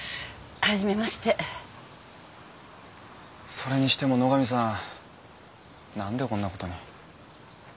それにしても野上さん何でこんなことに。